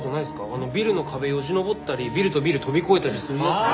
あのビルの壁よじ登ったりビルとビル跳び越えたりするやつですよ。